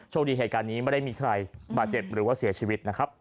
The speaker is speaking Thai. คดีเหตุการณ์นี้ไม่ได้มีใครบาดเจ็บหรือว่าเสียชีวิตนะครับ